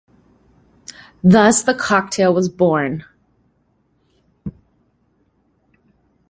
Thus the cocktail was born.